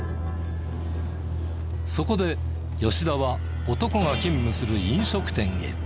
そこで吉田は男が勤務する飲食店へ。